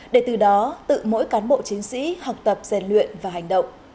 để từ đó tự mỗi cán bộ chiến sĩ học tập rèn luyện và hành động